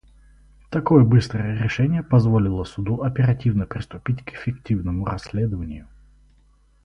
Такое быстрое решение позволило Суду оперативно приступить к эффективному расследованию.